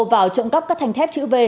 vào trộm cắp các thanh thép chữ v